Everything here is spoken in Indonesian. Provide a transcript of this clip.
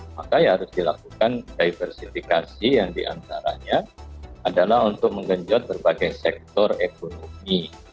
maka ya harus dilakukan diversifikasi yang diantaranya adalah untuk menggenjot berbagai sektor ekonomi